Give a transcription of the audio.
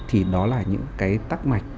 thì đó là những cái tắc mạch